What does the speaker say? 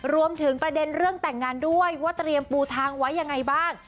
รวมถึงประเด็นเรื่องแต่งงานด้วยว่าเตรียมปูทางไว้ยังไงบ้าง